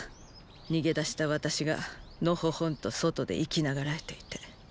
逃げ出した私がのほほんと外で生きながらえていて。